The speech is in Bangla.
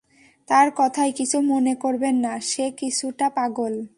তার কথায় কিছু মনে করবেন না, সে কিছুটা পাগল।